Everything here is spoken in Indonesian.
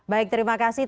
baik terima kasih